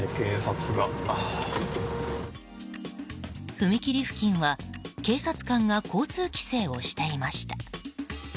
踏切付近は警察官が交通規制をしていました。